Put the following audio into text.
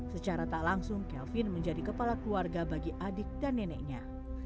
secara tak langsung kelvin menjadi kepala keluarga bagi adik dan neneknya